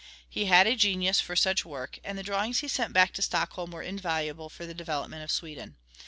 He had a genius for such work, and the drawings he sent back to Stockholm were invaluable for the development of Sweden.